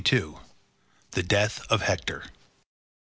The death of Hector.